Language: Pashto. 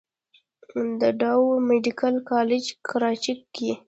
د ډاؤ ميديکل کالج کراچۍ کښې